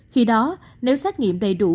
khi đó nếu xét nghiệm đầy đủ